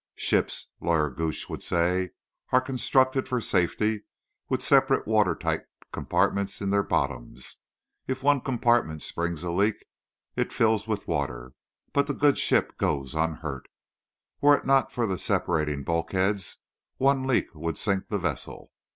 "Ships," Lawyer Gooch would say, "are constructed for safety, with separate, water tight compartments in their bottoms. If one compartment springs a leak it fills with water; but the good ship goes on unhurt. Were it not for the separating bulkheads one leak would sink the vessel.